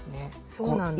そうなんです。